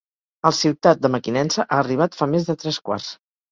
El Ciutat de Mequinensa ha arribat fa més de tres quarts.